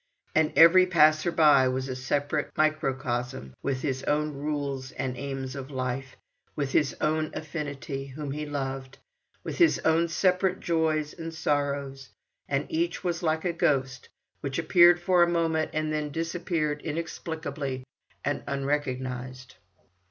And every passer by was a separate microcosm, with his own rules and aims of life, with his own affinity, whom he loved, with his own separate joys and sorrows, and each was like a ghost, which appeared for a moment and then disappeared inexplicably and unrecognized.